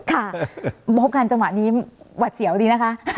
ค่ะพบกันจังหวะนี้หวัดเสียวดีนะคะ